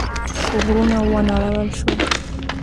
غرونه ونړول شول.